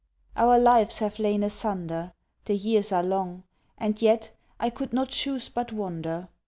Our lives have lain asunder, The years are long, and yet, I could not choose but wonder.